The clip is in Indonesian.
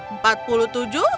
empat puluh tujuh